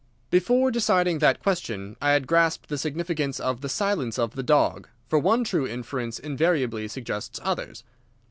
"Before deciding that question I had grasped the significance of the silence of the dog, for one true inference invariably suggests others.